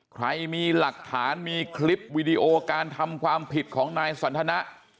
ใครมีหลักฐานมีคลิปวิดีโอการทำความผิดของนายสันทนะ